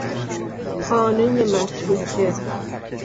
خانهی متروکه